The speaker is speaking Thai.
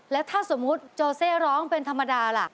แล้วถ้าสมมุติโจเซร้องเป็นธรรมดาล่ะ